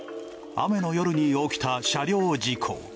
雨の夜に起きた車両事故。